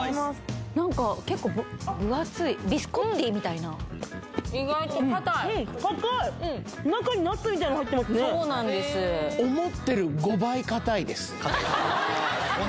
・何か結構分厚いビスコッティみたいな意外と硬いうん硬いみたいの入ってますねそうなんです思ってるああ